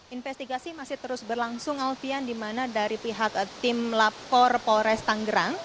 investigasi masih terus berlangsung alfian di mana dari pihak tim lapor polres tanggerang